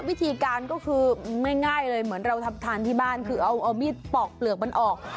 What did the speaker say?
วิธีการก็คือง่ายเลยเหมือนเราทำทานที่บ้านคือเอามีดปอกเปลือกมันออก